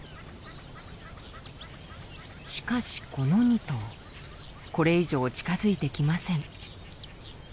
しかしこの２頭これ以上近づいてきません。